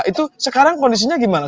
itu sekarang kondisinya gimana